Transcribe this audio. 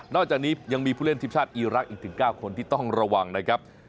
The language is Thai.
อกจากนี้ยังมีผู้เล่นทีมชาติอีรักษ์อีกถึง๙คนที่ต้องระวังนะครับ